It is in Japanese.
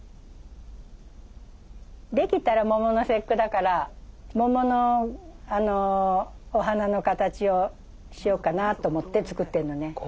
できたら桃の節句だから桃のあのお花の形をしようかなと思って作ってるのね。